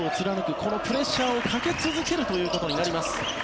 このプレッシャーをかけ続けるということになります。